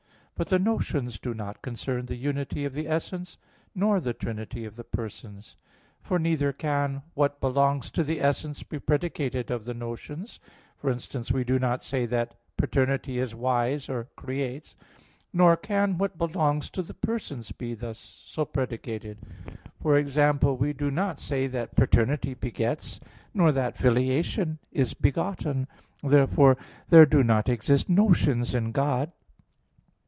But the notions do not concern the unity of the essence, nor the trinity of the persons; for neither can what belongs to the essence be predicated of the notions: for instance, we do not say that paternity is wise or creates; nor can what belongs to the persons be so predicated; for example, we do not say that paternity begets, nor that filiation is begotten. Therefore there do not exist notions in God.